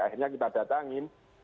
akhirnya kita datangin